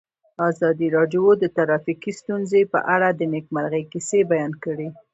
ازادي راډیو د ټرافیکي ستونزې په اړه د نېکمرغۍ کیسې بیان کړې.